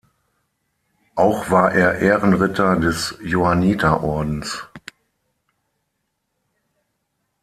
Auch war er Ehrenritter des Johanniterordens.